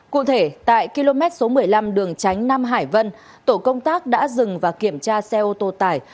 cụ thể tại km số một mươi năm đường tránh nam hải vân tổ công tác đã dừng và kiểm tra xe ô tô tải